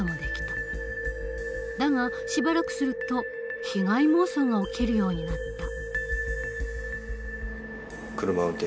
だがしばらくすると被害妄想が起きるようになった。